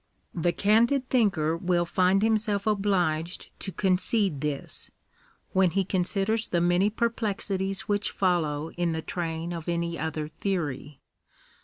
173 The candid thinker will find himself obliged to concede this, when he considers the many perplexities which follow in the train of any other theory.